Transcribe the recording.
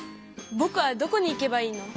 「ぼくはどこに行けばいいの？」。